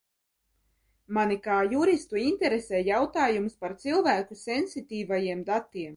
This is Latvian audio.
Mani kā juristu interesē jautājums par cilvēku sensitīvajiem datiem.